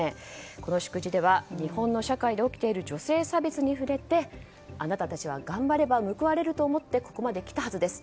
この祝辞では日本の社会で起きている女性差別に触れてあなたたちは頑張れば報われると思ってここまで来たはずです。